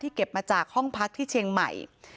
เก็บมาจากห้องพักที่เชียงใหม่